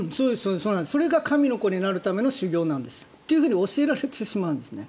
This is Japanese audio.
それが神の子になるための修行なんですと教えられてしまうんですね。